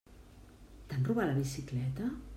T'han robat la bicicleta?